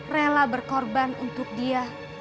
rela berkorban untuk dia